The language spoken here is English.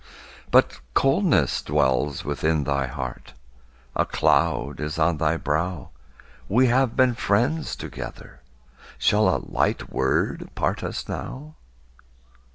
But coldness dwells within thy heart, A cloud is on thy brow; We have been friends together, Shall a light word part us now?